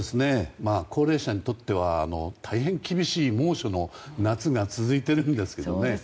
高齢者にとっては大変厳しい猛暑の夏が続いているんですけどね。